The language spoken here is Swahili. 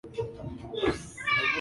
Armando da Silva na pamoja na wenzake